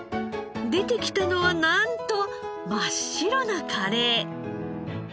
出てきたのはなんと真っ白なカレー。